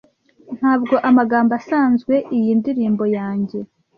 Ntabwo amagambo asanzwe iyi ndirimbo yanjye,